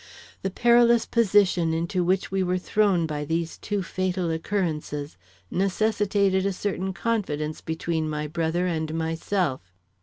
The perilous position into which we were thrown by these two fatal occurrences necessitated a certain confidence between my brother and myself.